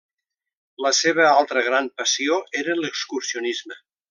La seva altra gran passió era l’excursionisme.